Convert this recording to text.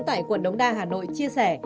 tại quận đống đa hà nội chia sẻ